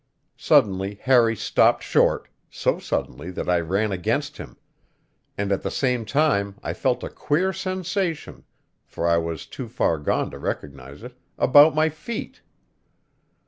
Suddenly Harry stopped short, so suddenly that I ran against him; and at the same time I felt a queer sensation for I was too far gone to recognize it about my feet.